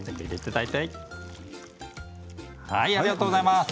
ありがとうございます。